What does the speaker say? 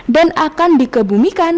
dan akan dikebumikan